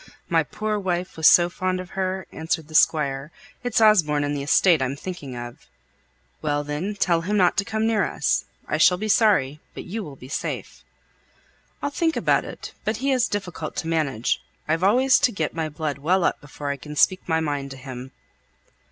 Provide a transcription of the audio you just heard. My poor wife was so fond of her," answered the Squire. "It's Osborne and the estate I'm thinking of!" "Well, then, tell him not to come near us. I shall be sorry, but you will be safe." "I'll think about it; but he's difficult to manage. I've always to get my blood well up before I can speak my mind to him."